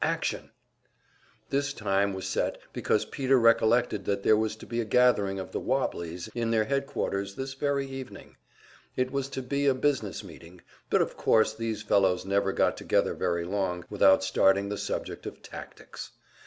Action!" This time was set because Peter recollected that there was to be a gathering of the "wobblies" in their headquarters this very evening. It was to be a business meeting, but of course these fellows never got together very long without starting the subject of "tactics."